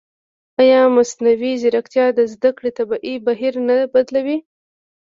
ایا مصنوعي ځیرکتیا د زده کړې طبیعي بهیر نه بدلوي؟